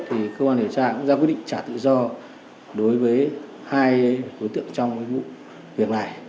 thì cơ quan điều tra cũng ra quyết định trả tự do đối với hai đối tượng trong vụ việc này